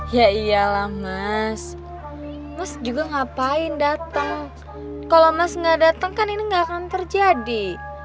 ya iyalah mas mas juga ngapain datang kalau mas gak datang kan ini nggak akan terjadi